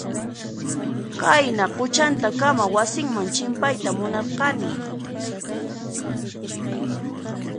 Qayna quchantakama wasinman chimpayta munarqani.